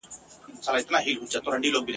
زه د قسمت او هغه زما په ژبه ښه پوهیږي !.